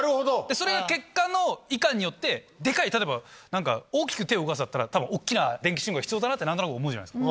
それが結果のいかんによってデカい例えば大きく手を動かすだったら多分大っきな電気信号が必要だなって何となく思うじゃないですか。